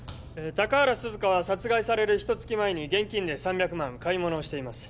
高原涼香は殺害されるひと月前に現金で３００万買い物をしています